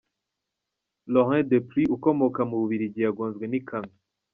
Laurens de Plus ukomoka mu Bubiligi yagonzwe n’ikamyo.